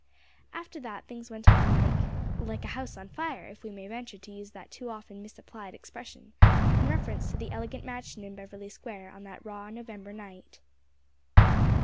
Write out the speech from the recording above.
After that things went on like "like a house on fire" if we may venture to use that too often misapplied expression, in reference to the elegant mansion in Beverly Square on that raw November night.